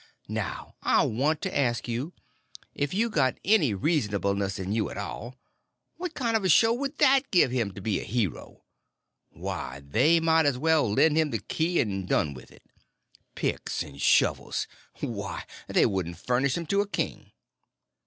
Now I want to ask you—if you got any reasonableness in you at all—what kind of a show would that give him to be a hero? Why, they might as well lend him the key and done with it. Picks and shovels—why, they wouldn't furnish 'em to a king."